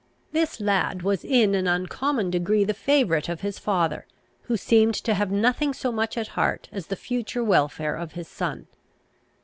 This lad was in an uncommon degree the favourite of his father, who seemed to have nothing so much at heart as the future welfare of his son.